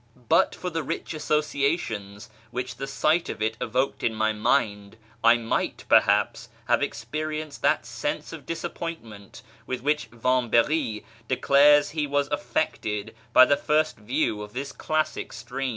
But for the rich associations which the sight of it evoked in my mind, I might perhaps have experienced that sense of disappointment with which Vamb^ry declares he was affected by the first view of this classic stream.